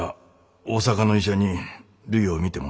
大阪の医者にるいを診てもろうた。